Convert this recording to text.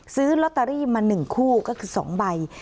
ซื้อลอตเตอรี่มา๑คู่ก็คือ๒ใบ